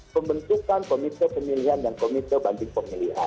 pembentukan komite pemilihan dan komite banding pemilihan